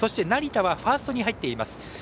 成田はファーストに入っています。